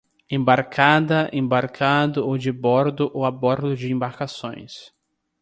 Embarcada, embarcado ou de bordo ou a bordo de embarcações